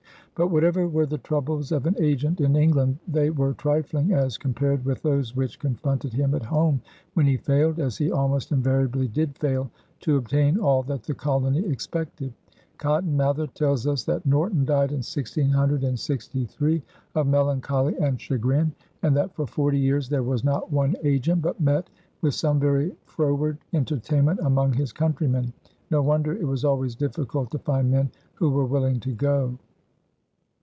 But whatever were the troubles of an agent in England, they were trifling as compared with those which confronted him at home when he failed, as he almost invariably did fail, to obtain all that the colony expected. Cotton Mather tells us that Norton died in 1663 of melancholy and chagrin, and that for forty years there was not one agent but met "with some very froward entertainment among his countrymen." No wonder it was always difficult to find men who were willing to go.